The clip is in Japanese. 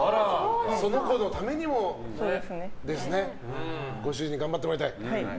その子のためにもねご主人に頑張ってもらいたい。